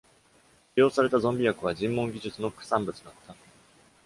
使用された「ゾンビ薬」は、尋問技術の副産物だった。